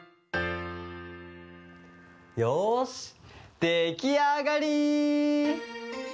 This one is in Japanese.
よしできあがり！